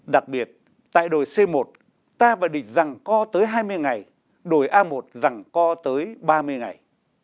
đặc biệt tại đồi c một ta và địch rằng co tới hai mươi ngày đồi a một rằng co tới ba mươi ngày